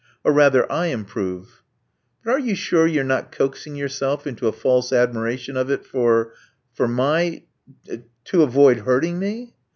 Or rather I improve." But are you sure you are not coaxing yourself into a false admiration of it for my — ^to avoid hurting me?"